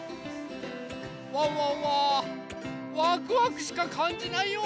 ワンワンはワクワクしかかんじないよ！